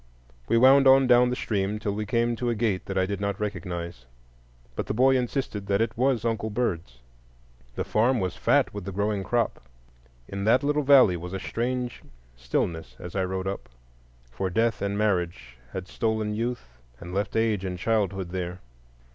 We wound on down the stream till we came to a gate that I did not recognize, but the boy insisted that it was "Uncle Bird's." The farm was fat with the growing crop. In that little valley was a strange stillness as I rode up; for death and marriage had stolen youth and left age and childhood there.